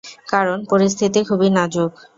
কারন, পরিস্থিতি খুবই নাজুক।